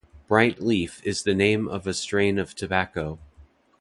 Bright Leaf is the name of a strain of tobacco.